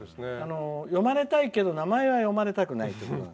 読まれたいけど名前は読まれたくないという。